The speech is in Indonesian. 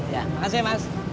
ya makasih mas